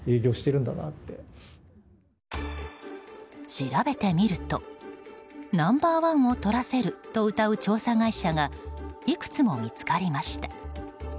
調べてみるとナンバー１を取らせるとうたう調査会社がいくつも見つかりました。